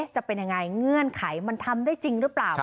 จะเป็นยังไงเงื่อนไขมันทำได้จริงหรือเปล่า